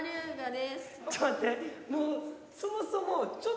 ちょっと待ってもうそもそも。